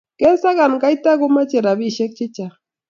kesakan kaita komochei robishe chechang